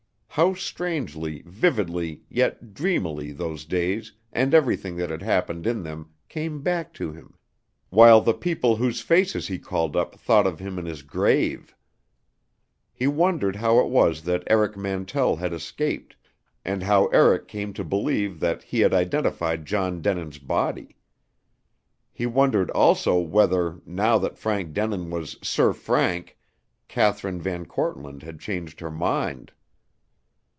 How strangely, vividly, yet dreamily those days and everything that had happened in them came back to him, while the people whose faces he called up thought of him in his grave! He wondered how it was that Eric Mantell had escaped, and how Eric came to believe that he had identified John Denin's body. He wondered also whether, now that Frank Denin was "Sir Frank," Kathryn VanKortland had changed her mind.